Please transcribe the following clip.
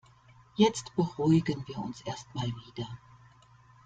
Jetzt beruhigen wir uns erst mal wieder.